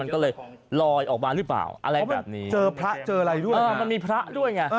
มันก็เลยลอยออกมาหรือเปล่าอะไรแบบนี้เจอพระเจออะไรด้วยมันมีพระด้วยไง